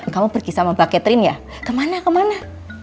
kamu pergi sama mbak catherine ya kemana kemana